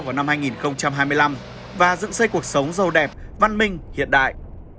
vào năm hai nghìn hai mươi năm và dựng xây cuộc sống giàu đẹp văn minh hiện đại